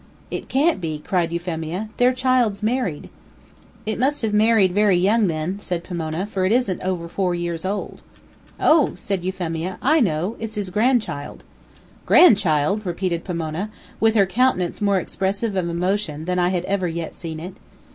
"It can't be," cried Euphemia. "Their child's married." "It must have married very young, then," said Pomona, "for it isn't over four years old now." "Oh!" said Euphemia, "I know! It's his grandchild." "Grandchild!" repeated Pomona, with her countenance more expressive of emotion than I had ever yet seen it.